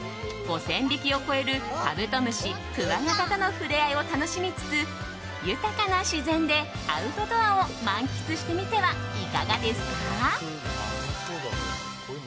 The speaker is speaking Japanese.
５０００匹を超えるカブトムシ、クワガタとの触れ合いを楽しみつつ豊かな自然でアウトドアを満喫してみてはいかがですか？